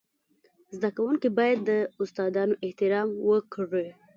زده کوونکي باید د استادانو احترام وکړي.